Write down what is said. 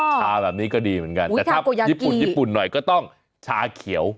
ชาแบบนี้ก็ดีเหมือนกันแต่ถ้าญี่ปุ่นญี่ปุ่นหน่อยก็ต้องชาเขียว